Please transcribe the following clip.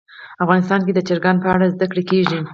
افغانستان کې د چرګان په اړه زده کړه کېږي.